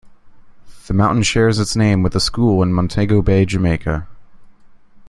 The Mountain shares its name with a school in Montego Bay, Jamaica.